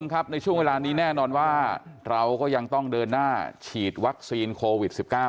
ครับในช่วงเวลานี้แน่นอนว่าเราก็ยังต้องเดินหน้าฉีดวัคซีนโควิด๑๙